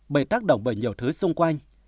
bị tác động bởi nhiều thứ xung quanh